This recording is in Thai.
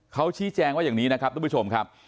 เขาชี้แจงว่าอย่างนี้นะครับทุกผู้ชมครับ